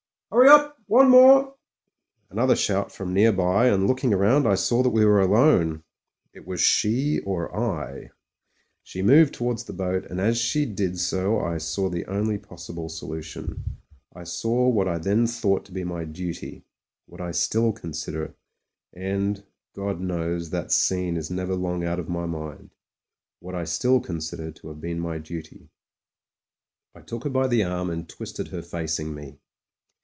"Hurry up! one more." Another shout from near by, and looking round I saw that we were alone. It was she or I. She moved towards the boat, and as she did so I saw the only possible solution — I saw what I then 94 MEN, WOMEN AND GUNS thought to be my duty ; what I still consider — and, God knows, that scene is never long out of my mind — ^what I still consider to have been my duty. I took her by the arm and twisted her facing me.